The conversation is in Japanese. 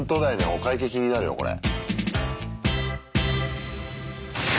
お会計気になるよこれ。